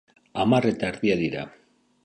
Hamar eta erdiak dira.